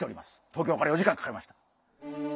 東京から４時間かかりました。